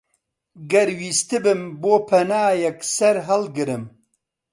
گەر ویستبم بۆ پەنایەک سەرهەڵگرم،